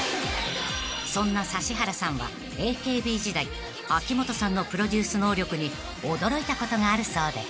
［そんな指原さんはＡＫＢ時代秋元さんのプロデュース能力に驚いたことがあるそうで］